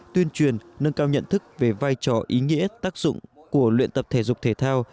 tuyên truyền nâng cao nhận thức về vai trò ý nghĩa tác dụng của luyện tập thể dục thể thao